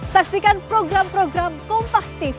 saksikan program program kompas tv